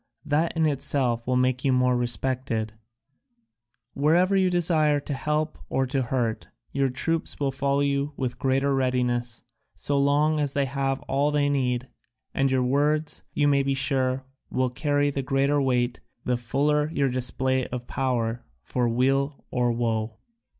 That in itself will make you more respected; wherever you desire to help or to hurt, your troops will follow you with greater readiness, so long as they have all they need, and your words, you may be sure, will carry the greater weight the fuller your display of power for weal or woe."